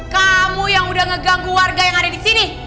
kamu yang udah ngeganggu warga yang ada di sini